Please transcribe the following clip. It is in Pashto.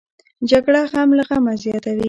جګړه غم له غمه زیاتوي